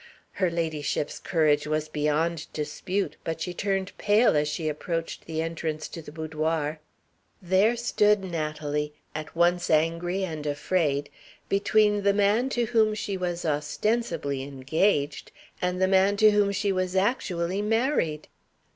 Her ladyship's courage was beyond dispute; but she turned pale as she approached the entrance to the boudoir. There stood Natalie at once angry and afraid between the man to whom she was ostensibly engaged, and the man to whom she was actually married.